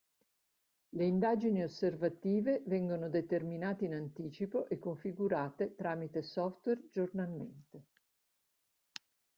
Le indagini osservative vengono determinate in anticipo e configurate tramite software giornalmente.